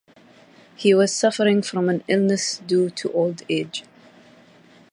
He was suffering from an illness due to old age.